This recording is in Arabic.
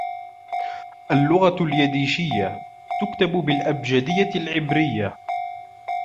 اللغة اليديشية تُكتَب بالأبجديّة العبريّة.